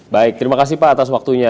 baik terima kasih pak atas waktunya